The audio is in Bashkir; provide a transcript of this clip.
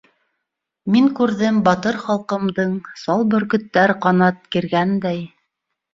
Мин күрҙем батыр халҡымдың Сал бөркөттәр ҡанат киргәндәй, —